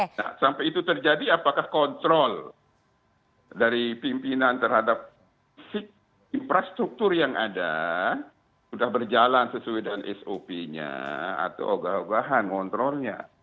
nah sampai itu terjadi apakah kontrol dari pimpinan terhadap infrastruktur yang ada sudah berjalan sesuai dengan sop nya atau gagahan ngontrolnya